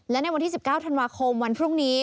และในวันที่๑๙ธันวาคมวันพรุ่งนี้